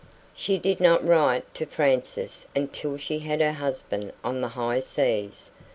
She did not write to Frances until she had her husband on the high seas.